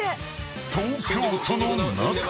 ［東京都の中でも］